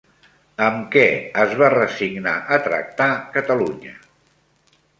Amb què es va resignar a tractar Catalunya?